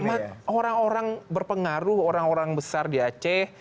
cuma orang orang berpengaruh orang orang besar di aceh